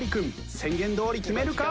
宣言どおり決めるか？